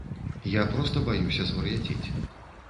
Я проста баюся звар'яцець.